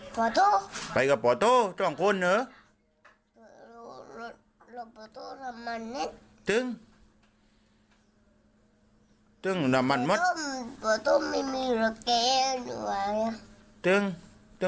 ไปกับป่าตู้